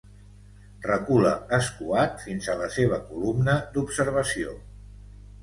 Recula, escuat, fins a la seva columna d'observació.